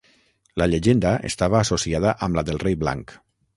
La llegenda estava associada amb la del rei Blanc.